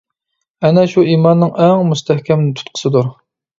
ئەنە شۇ ئىماننىڭ ئەڭ مۇستەھكەم تۇتقىسىدۇر.